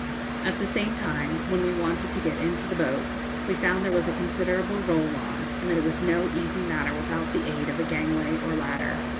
At the same time, when we wanted to get into the boat, we found there was a considerable roll on, and that it was no easy matter without the aid of a gangway or ladder.